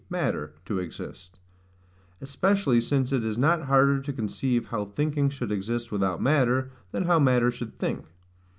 matter, to exist; especially since it is not harder to conceive how thinking should exist without matter, than how matter should think.